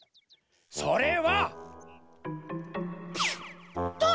それは。あ！？